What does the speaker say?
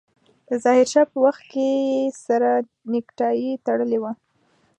د ظاهر شاه په وخت کې يې سره نيکټايي تړلې وه.